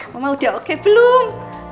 mama udah oke belum